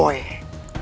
untuk hancurin boi